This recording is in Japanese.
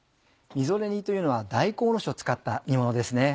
みぞれ煮というのは大根おろしを使った煮ものですね。